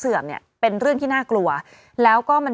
คุณผู้ชมขายังจริงท่านออกมาบอกว่า